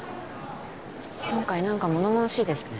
今回何かものものしいですね